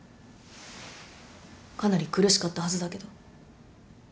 かなり苦しかったはずだけど。